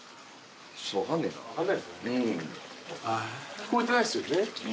聞こえてないっすよね